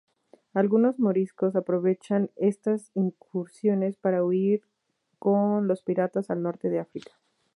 Algunos moriscos aprovechaban estas incursiones para huir con los piratas al norte de África.